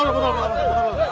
buah buah buah